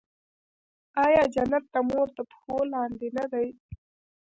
آیا جنت د مور تر پښو لاندې نه دی؟